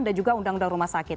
dan juga undang undang rumah sakit